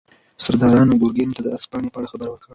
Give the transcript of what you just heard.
سردارانو ګورګین ته د عرض پاڼې په اړه خبر ورکړ.